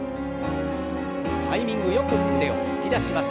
タイミングよく腕を突き出します。